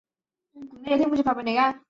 原为泰雅族芃芃社。